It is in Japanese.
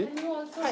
はい。